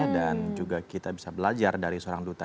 dan juga kita bisa belajar dari seorang duta